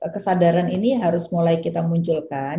kesadaran ini harus mulai kita munculkan